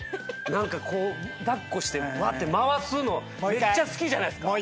何か抱っこして回すのめっちゃ好きじゃないですか。